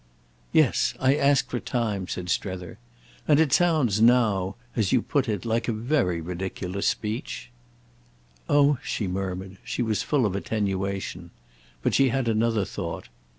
"Yes, I asked for time," said Strether. "And it sounds now, as you put it, like a very ridiculous speech." "Oh!" she murmured—she was full of attenuation. But she had another thought.